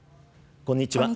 こんにちは。